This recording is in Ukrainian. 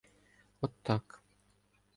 — От так.